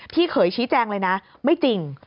เขยชี้แจงเลยนะไม่จริง